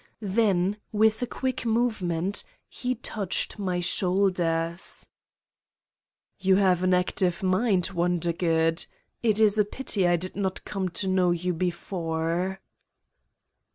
Then, with a quick movement, he touched my shoulders : "You have an active mind, Wondergood. It is a pity I did not come to know you before."